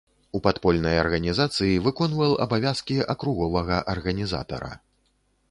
У падпольнай арганізацыі выконваў абавязкі акруговага арганізатара.